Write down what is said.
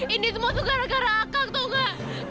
ini semua tuh gara gara akang tau gak